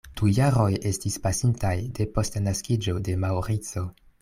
Du jaroj estis pasintaj depost la naskiĝo de Maŭrico.